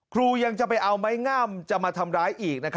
ยังจะไปเอาไม้งามจะมาทำร้ายอีก